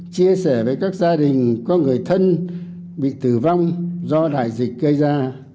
chia sẻ với các gia đình có người thân bị tử vong do đại dịch gây ra